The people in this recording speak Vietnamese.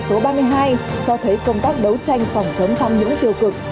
quy định số ba mươi hai cho thấy công tác đấu tranh phòng chống tham nhũng tiêu cực